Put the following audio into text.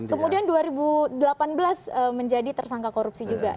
kemudian dua ribu delapan belas menjadi tersangka korupsi juga